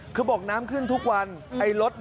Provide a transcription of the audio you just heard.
เขาบอกว่าน้ำขึ้นทุกวันนี้นะครับคุณผู้ชม